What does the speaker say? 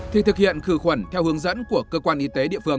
thì thực hiện khử khuẩn theo hướng dẫn của cơ quan y tế địa phương